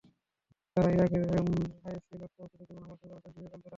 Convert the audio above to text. তারা ইরাকের আইএসসি লক্ষ্যবস্তুতে বিমান হামলা শুরু করার জন্য দীর্ঘকাল ধরে আগ্রহী ছিল।